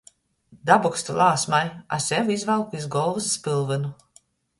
Dabokstu Lāsmai, a sev izvalku iz golvys spylvynu.